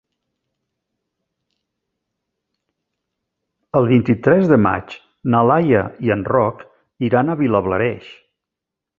El vint-i-tres de maig na Laia i en Roc iran a Vilablareix.